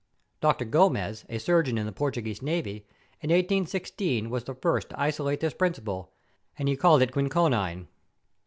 Dr. Gomez, a surgeon in the Portu¬ guese navy, in 1816, was the first to isolate this principle, and he called it chinchonine.